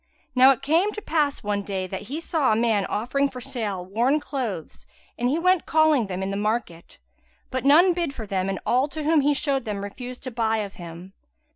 Now it came to pass one day that he saw a man offering for sale worn clothes, and he went calling them in the market, but none bid for them and all to whom he showed them refused to buy of him.